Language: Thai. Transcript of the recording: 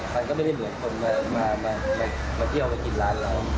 มันก็ไม่ได้เหมือนคนมาเที่ยวมากินร้านเรา